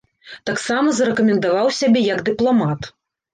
Таксама зарэкамендаваў сябе як дыпламат.